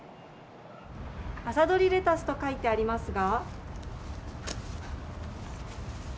朝採りレタスと書いてありますが。